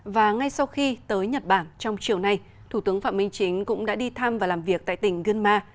và ngay sau khi tới nhật bản trong chiều nay thủ tướng phạm minh chính cũng đã đi thăm và làm việc tại tỉnh gunma